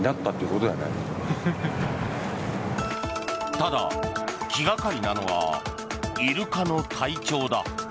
ただ、気掛かりなのがイルカの体調だ。